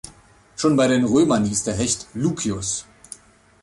Schon bei den Römern hieß der Hecht "Lucius".